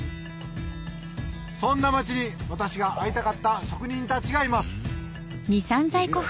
そんな街に私が会いたかった職人たちがいますすげぇな。